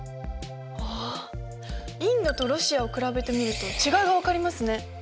あっインドとロシアを比べてみると違いが分かりますね。